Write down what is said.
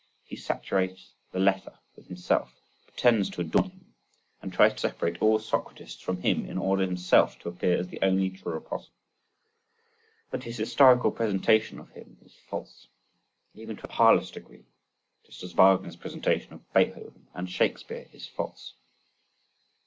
He saturates the latter with himself, pretends to adorn him (καλὸς Σωκράτης), and tries to separate all Socratists from him in order himself to appear as the only true apostle. But his historical presentation of him is false, even to a parlous degree: just as Wagner's presentation of Beethoven and Shakespeare is false.